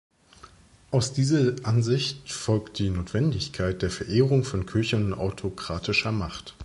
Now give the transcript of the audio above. Aus dieser Ansicht folgt die Notwendigkeit der Verehrung von Kirche und autokratischer Macht.